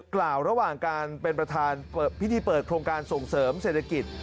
กล่าวระหว่างการเป็นประธานพิธีเปิดโครงการส่งเสริมเศรษฐกิจ